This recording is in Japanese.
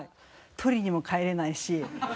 取りにも帰れないし。